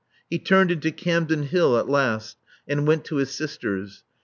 He turned into Campden Hill at last, and went to his sister's.